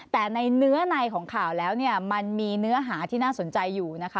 แต่ในเนื้อในของข่าวแล้วเนี่ยมันมีเนื้อหาที่น่าสนใจอยู่นะคะ